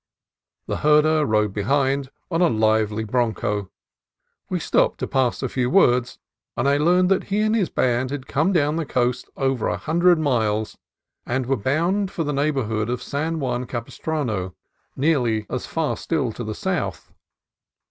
The herder rode behind on a lively broncho. We stopped to pass a few words, and I learned that he and his band had come down the coast over a hundred miles, and were bound for the neighborhood of San Juan Capistrano, I AM AN OBJECT OF COMPASSION 63 nearly as far still to the south.